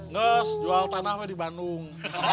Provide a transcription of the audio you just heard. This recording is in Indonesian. nges jual tanah mah di bandung